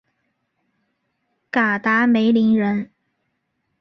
嘎达梅林人。